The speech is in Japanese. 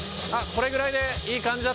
これぐらいでね？